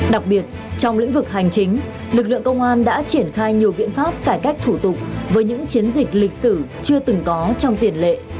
đặc biệt trong lĩnh vực hành chính lực lượng công an đã triển khai nhiều biện pháp cải cách thủ tục với những chiến dịch lịch sử chưa từng có trong tiền lệ